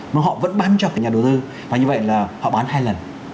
mà họ vẫn bán cho cả nhà đầu tư và như vậy là họ bán hai lần